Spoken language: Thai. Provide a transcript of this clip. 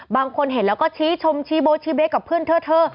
บางคนเห็นแล้วก็ชี้ชมชี้โบชี้เบ๊กกับเพื่อนเธอ